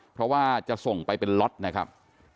เพราะว่าจะส่งไปเป็นล็อตนะครับ